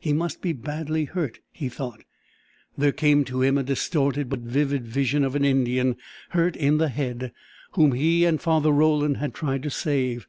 He must be badly hurt, he thought. There came to him a distorted but vivid vision of an Indian hurt in the head, whom he and Father Roland had tried to save.